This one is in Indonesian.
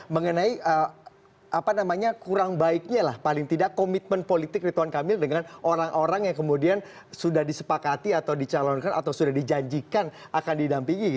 mengenai kurang baiknya lah paling tidak komitmen politik rituan kamil dengan orang orang yang kemudian sudah disepakati atau dicalonkan atau sudah dijanjikan akan didampingi